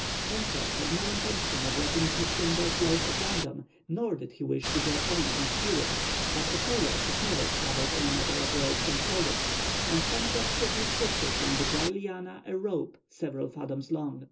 Pencroff had no intention of letting his timber float at random, nor did he wish to get on and steer it. But a sailor is never troubled in a matter of ropes or cordage, and Pencroff quickly twisted from the dry lianas a rope several fathoms long.